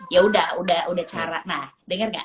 ya udah udah cara nah denger gak